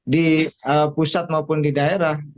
di pusat maupun di daerah